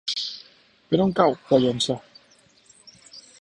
Per on cau Pollença?